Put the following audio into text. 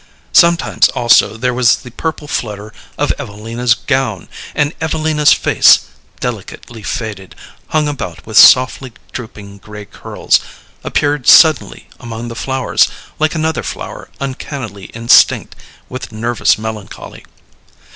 Sometimes also there was the purple flutter of Evelina's gown; and Evelina's face, delicately faded, hung about with softly drooping gray curls, appeared suddenly among the flowers, like another flower uncannily instinct with nervous melancholy.